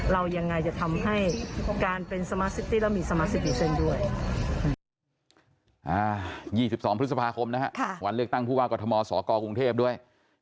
เรายังไงจะทำให้การเป็นสมาสติและมีสมาสติเสร็จด้วย